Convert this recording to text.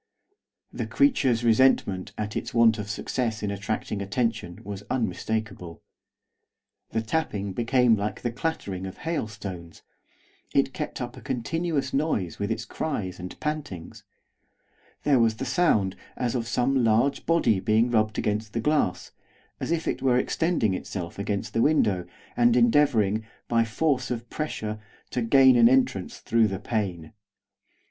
The creature's resentment at its want of success in attracting attention was unmistakable. The tapping became like the clattering of hailstones; it kept up a continuous noise with its cries and pantings; there was the sound as of some large body being rubbed against the glass, as if it were extending itself against the window, and endeavouring, by force of pressure, to gain an entrance through the pane.